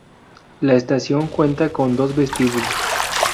La estación cuenta con dos vestíbulos.